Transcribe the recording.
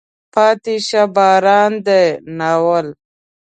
پاتې شه باران دی. ناول